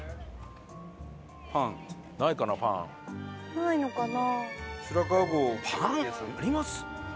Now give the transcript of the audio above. ないのかな？